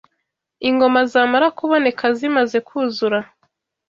ingoma zamara kuboneka zimaze kuzura